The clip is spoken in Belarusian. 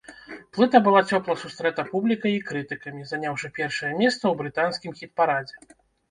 Плыта была цёпла сустрэта публікай і крытыкамі, заняўшы першае месца ў брытанскім хіт-парадзе.